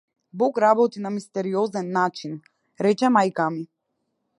Бог работи на мистериозен начин, рече мајка ми.